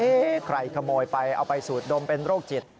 เอ๊ะใครขโมยไปเอาไปสูดดมเป็นโรคจิต